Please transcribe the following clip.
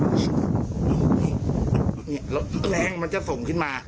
นี่แล้วแรงมันจะส่งขึ้นมา